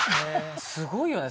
すごいよね